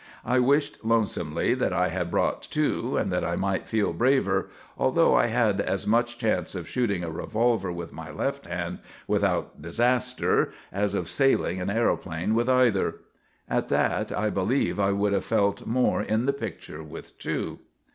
I wished lonesomely that I had brought two and that I might feel braver, although I had as much chance of shooting a revolver with my left hand without disaster as of sailing an aeroplane with either. At that I believe I would have felt more in the picture with two.